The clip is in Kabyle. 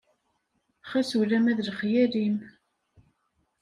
Xas ulama d lexyal-im.